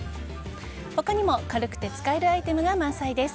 他にも軽くて使えるアイテムが満載です。